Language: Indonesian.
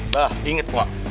bah inget pak